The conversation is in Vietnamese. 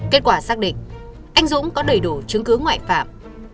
kết quả xác định anh dũng có đầy đủ chứng cứ ngoại phạm